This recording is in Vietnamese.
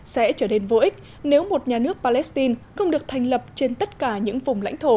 sẽ trở nên vô ích nếu một nhà nước palestine không được thành lập trên tất cả những vùng lãnh thổ